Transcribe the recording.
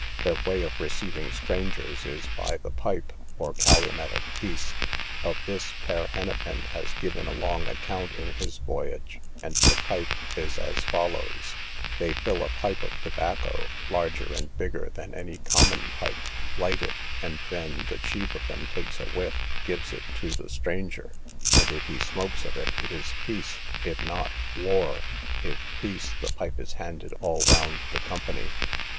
Their way of receiving strangers is by the pipe, or calumet of peace. Of this Pere Henepin has given a long account in his voyage, and the pipe is as follows: they fill a pipe of tobacco, larger and bigger than any common pipe, light it, and then the chief of them takes a whiff, gives it to the stranger, and if he smoke of it, it is peace; if not, war; if peace, the pipe is handed all round the company.